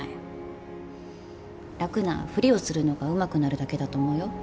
楽なふりをするのがうまくなるだけだと思うよ。